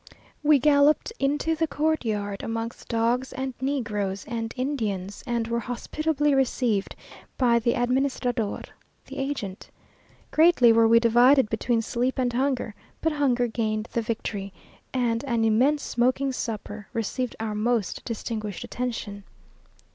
We galloped into the courtyard, amongst dogs and negroes and Indians, and were hospitably received by the administrador (the agent). Greatly were we divided between sleep and hunger; but hunger gained the victory, and an immense smoking supper received our most distinguished attention.